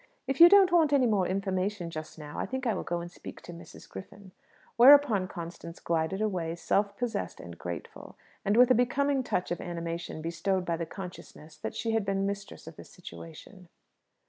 If you don't want any more information just now, I think I will go and speak to Mrs. Griffin." Whereupon Constance glided away, self possessed and graceful, and with a becoming touch of animation bestowed by the consciousness that she had been mistress of the situation.